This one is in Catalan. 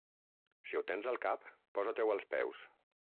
Si ho tens al cap, posa-t'ho als peus.